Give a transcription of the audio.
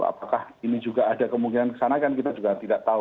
apakah ini juga ada kemungkinan kesana kan kita juga tidak tahu